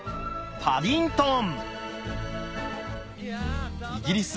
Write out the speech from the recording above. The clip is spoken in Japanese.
パディントン？